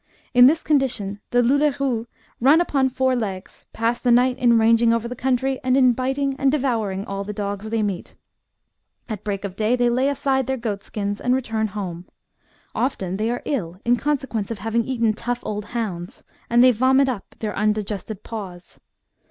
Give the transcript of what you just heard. In this condition, the loul6erous run upon four legs, pass the night in ranging over the country, and in biting and devouring aU the dogs they meet. At break of day they lay aside their goatskins and return home. Often they are ill in consequence of having eaten tough old hounds, and they vomit up their undigested paws.